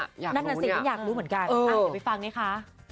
นักนักศิษย์ก็อยากรู้เหมือนกันอยากไปฟังด้วยค่ะ